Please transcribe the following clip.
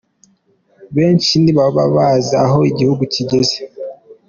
Benshi ntibaba bazi aho igihugu kigeze.